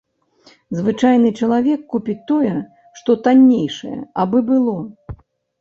Звычайны чалавек купіць тое, што таннейшае, абы было.